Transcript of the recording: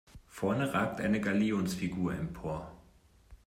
Vorne ragt eine Galionsfigur empor.